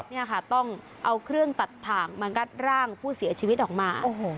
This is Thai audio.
นี่ค่ะต้องเอาเครื่องตัดถ่างมางัดร่างผู้เสียชีวิตออกมา